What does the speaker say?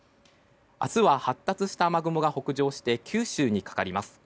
明日は発達した雨雲が北上して九州にかかります。